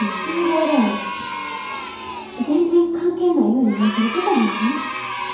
全然関係ないように見えてるとこもやで。